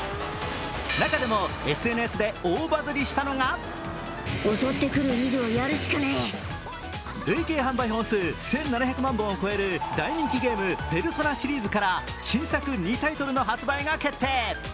中でもＳＮＳで大バズりしたのが累計販売本数１７００万本を超える大人気ゲーム「ペルソナ」シリーズから新作２タイトルの発売が決定。